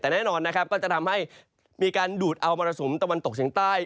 แต่แน่นอนนะครับก็จะทำให้มีการดูดเอามรสุมตะวันตกเฉียงใต้